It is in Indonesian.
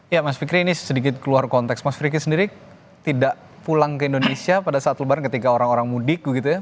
ya mas fikri ini sedikit keluar konteks mas fikri sendiri tidak pulang ke indonesia pada saat lebaran ketika orang orang mudik begitu ya